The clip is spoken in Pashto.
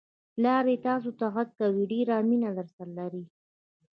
پلا دې تاسوته غږ کوي، ډېره مینه درسره لري!